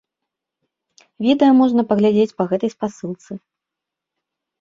Відэа можна паглядзець па гэтай спасылцы.